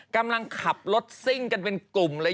กำลังขับรถซิ่งกันเป็นกลุ่มเลย